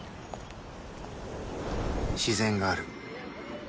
自然がある